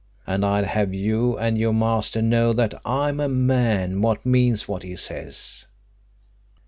And I'd have you and your master know that I'm a man what means what he says."